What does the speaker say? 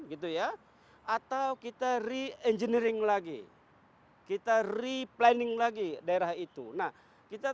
gitu ya atau kita re engineering lagi kita replanning lagi daerah itu nah kita